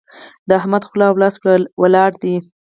د احمد خوله او لاس ولاړ دي.